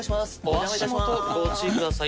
お足元ご注意ください。